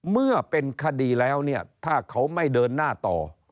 เมื่อเป็นคดีแล้วเนี่ยถ้าเขาไม่เดินหน้าต่อ